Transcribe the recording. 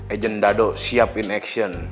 ejen dado siapin aksiun